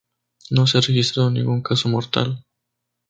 No se ha registrado ningún caso mortal.